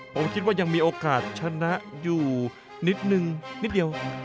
ผมคิดว่ายังมีโอกาสชนะอยู่นิดนึงนิดเดียว